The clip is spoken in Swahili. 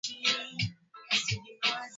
kwa msaada wa jeshi la Rwanda